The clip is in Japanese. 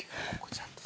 ちゃんと。